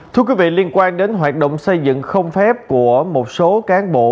thưa quý vị liên quan đến hoạt động xây dựng không phép của một số cán bộ